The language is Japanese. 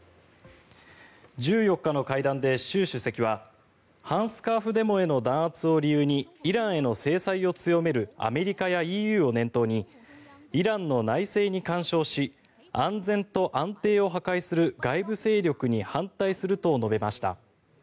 １４日の会談で習主席は反スカーフデモへの弾圧を理由にイランへの制裁を強めるアメリカやＥＵを念頭にイランの内政に干渉し安全と安定を破壊する外部勢力に反対すると述べました。